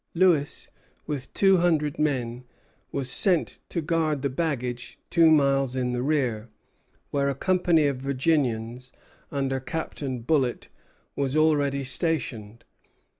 Lewis, with two hundred men, was sent to guard the baggage two miles in the rear, where a company of Virginians, under Captain Bullitt, was already stationed.